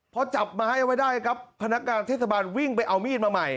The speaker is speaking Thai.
พอจับไม้เอาไว้ได้ครับพนักงานเทศบาลวิ่งไปเอามีดมาใหม่